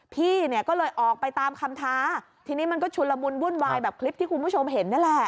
พี่เนี่ยก็เลยออกไปตามคำท้าทีนี้มันก็ชุนละมุนวุ่นวายแบบคลิปที่คุณผู้ชมเห็นนั่นแหละ